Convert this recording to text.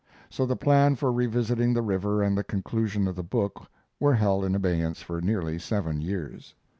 So the plan for revisiting the river and the conclusion of the book were held in abeyance for nearly seven years.